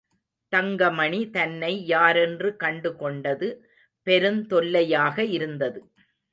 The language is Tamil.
தங்கமணி தன்னை யாரென்று கண்டு கொண்டது பெருந்தொல்லையாக இருந்தது.